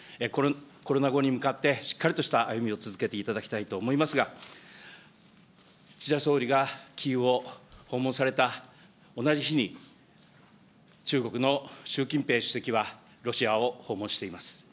コロナ後に向かって、しっかりとした歩みを続けていただきたいと思いますが、岸田総理がキーウを訪問された同じ日に、中国の習近平主席はロシアを訪問しています。